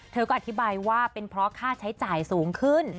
เธอก็อธิบายว่าเป็นเพราะค่าใช้จ่ายสูงขึ้น